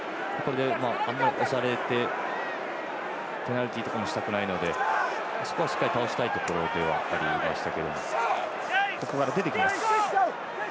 あんまり押されてペナルティもしたくないのでしっかり倒したいところではありました。